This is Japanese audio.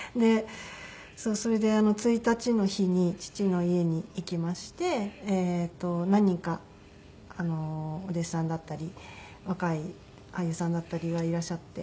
それで一日の日に父の家に行きまして何人かお弟子さんだったり若い俳優さんだったりがいらっしゃって。